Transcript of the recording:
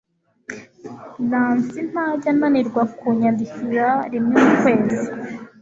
Nancy ntajya ananirwa kunyandikira rimwe mu kwezi.